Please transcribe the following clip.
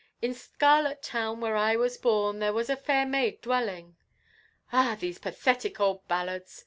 "In Scarlet Town, where I was born There was a fair Maid dwellin'—" "Ah! these pathetic old ballads!"